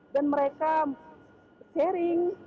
dan mereka sharing